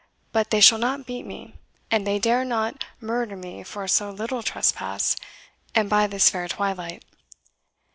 "But they shall not beat me, and they dare not murder me, for so little trespass, and by this fair twilight.